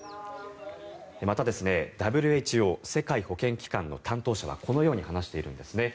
また、ＷＨＯ・世界保健機関の担当者はこのように話しているんですね。